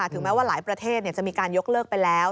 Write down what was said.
ถึงแม้ว่าหลายประเทศจะมีการยกเลิกไปแล้ว